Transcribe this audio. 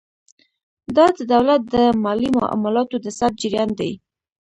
دا د دولت د مالي معاملاتو د ثبت جریان دی.